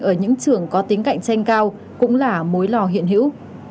ở những trường có tính cạnh tranh cao cũng là mối lo hiện hữu